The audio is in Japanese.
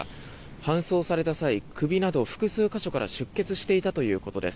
搬送された際首など複数か所から出血していたということです。